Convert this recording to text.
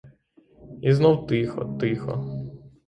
І знов тихо, тихо.